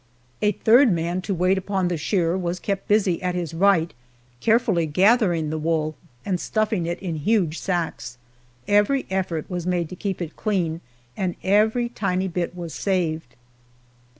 A third man to wait upon the shearer was kept busy at his right carefully gathering the wool and stuffing it in huge sacks. Every effort was made to keep it clean, and every tiny bit was saved.